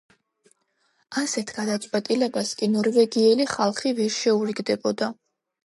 ასეთ გადაწყვეტილებას კი ნორვეგიელი ხალხი ვერ შეურიგდებოდა.